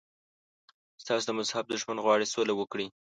ستاسو د مذهب دښمن غواړي سوله وکړي.